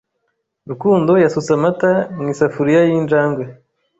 Rukundo yasutse amata mu isafuriya y'injangwe.